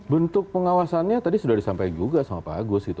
bentuk pengawasannya tadi sudah disampaikan juga sama pak agus gitu